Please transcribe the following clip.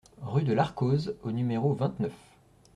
Rue de l'Arkose au numéro vingt-neuf